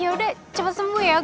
ya udah cepet sembuh ya